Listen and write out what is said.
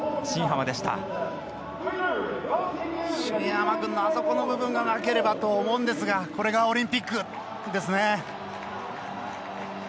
新濱君のあそこの部分がなければと思うんですがこれがオリンピックですね。